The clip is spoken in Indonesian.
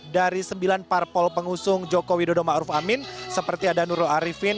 dari sembilan parpol pengusung jokowi dodo ma'ruf amin seperti ada nurul arifin